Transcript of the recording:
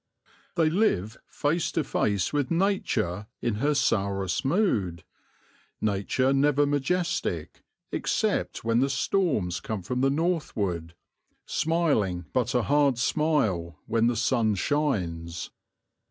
They live face to face with Nature in her sourest mood, Nature never majestic, except when the storms come from the northward, smiling but a hard smile when the sun shines.